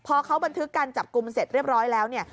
พอเขาบันทึกการจับกลุ่มเสร็จเรียบร้อยแล้วเนี่ย